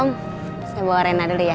saya bawa rena dulu ya